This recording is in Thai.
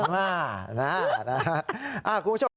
ลานะครับ